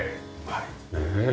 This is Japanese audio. はい。